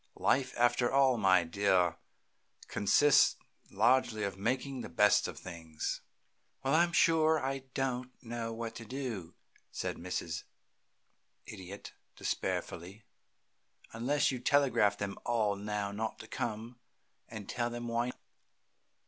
Life, after all, my dear, consists largely of making the best of things." "Well, I'm sure I don't know what to do," said Mrs. Idiot, despairfully, "unless you telegraph them all not to come, and tell them why."